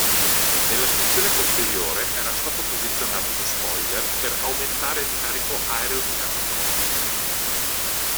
Nella sezione posteriore era stato posizionato uno spoiler per aumentare il carico aerodinamico.